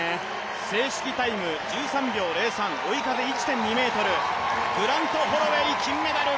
正式タイム１３秒０３追い風１．２メートルグラント・ホロウェイ金メダル！